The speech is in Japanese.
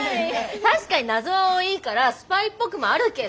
確かに謎は多いからスパイっぽくもあるけど。